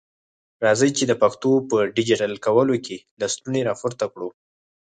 راځئ چي د پښتو په ډيجيټل کولو کي لستوڼي را پورته کړو.